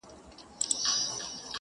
ما یې پر ګودر ټوټې لیدلي د بنګړیو.!